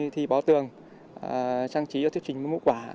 thi bó tường trang trí và thiết trình mâm ngũ quả